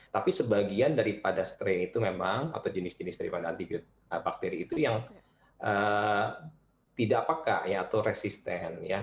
tapi sebagian daripada strain itu memang atau jenis jenis dari antibakteri itu yang tidak peka atau resisten